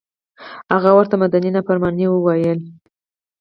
هغه ورته مدني نافرماني وویله.